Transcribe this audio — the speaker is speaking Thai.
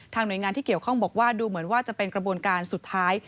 หน่วยงานที่เกี่ยวข้องบอกว่าดูเหมือนว่าจะเป็นกระบวนการสุดท้าย